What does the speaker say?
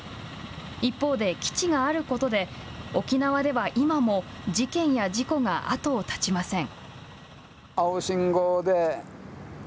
一方で、基地があることで沖縄では今も事件や事故が後を絶ちません。